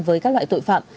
với các loại tội phạm